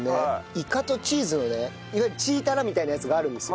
イカとチーズのねいわゆるチータラみたいなやつがあるんですよ。